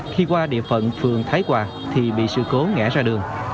khi qua địa phận phường thái hòa thì bị sự cố ngã ra đường